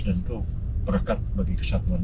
dan itu berkat bagi kesatuan bangsa